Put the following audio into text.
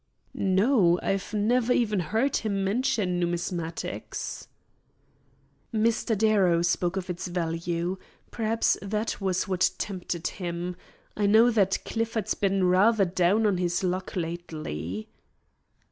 "No; I've never even heard him mention numismatics." "Mr. Darrow spoke of its value. Perhaps that was what tempted him. I know that Clifford's been rather down on his luck lately."